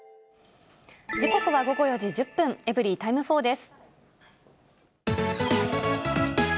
時刻は午後４時１０分、エブリィタイム４です。